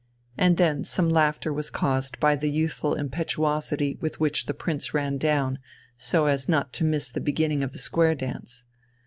And then some laughter was caused by the youthful impetuosity with which the Prince ran down, so as not to miss the beginning of the square dance.